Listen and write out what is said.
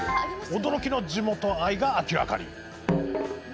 驚きの地元愛が明らかに。